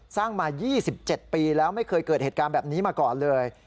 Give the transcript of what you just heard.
สร้างมา๒๗ปีแล้วไม่เคยเกิดเหตุการณ์แบบนี้มาก่อนเลย